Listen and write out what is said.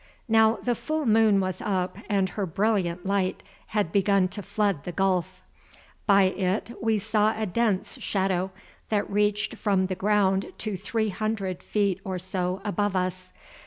Now the full moon was up, and her brilliant light had begun to flood the gulf. By it we saw a dense shadow, that reached from the ground to three hundred feet or so above us.